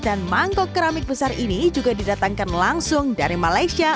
dan mangkok keramik besar ini juga didatangkan langsung dari malaysia